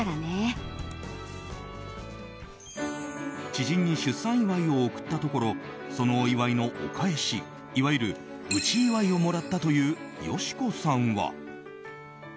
知人に出産祝いを贈ったところそのお祝いのお返しいわゆる内祝いをもらったという佳子さんは。